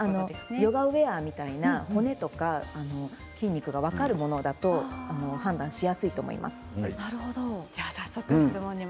ヨガウエアとか筋肉が分かるウエアだと判断しやすいと思います。